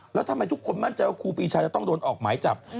แล้วทำไมทุกคนมั่นใจว่าครูปีชาจะต้องโดนออกหมายจับ